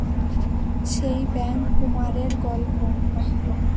সেই ব্যাঙ কুমারের গল্প?